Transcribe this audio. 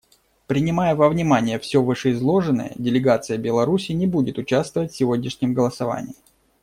Принимая во внимание все вышеизложенное, делегация Беларуси не будет участвовать в сегодняшнем голосовании.